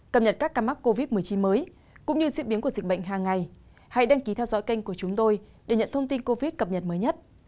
các bạn hãy đăng ký kênh của chúng tôi để nhận thông tin cập nhật mới nhất